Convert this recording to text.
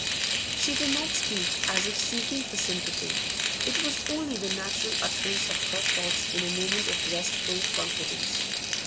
She did not speak as if seeking for sympathy it was only the natural utterance of her thoughts in a moment of restful confidence.